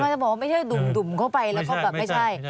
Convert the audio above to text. จะบอกว่าไม่ใช่ดุ่มเข้าไปแล้วก็แบบไม่ใช่